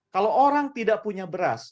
kalau orang tidak punya beras